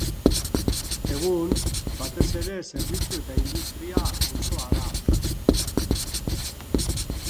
Egun, batez ere zerbitzu eta industria-auzoa da.